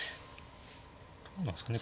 どうなんですかね。